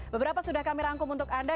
beberapa sudah kami rangkum untuk anda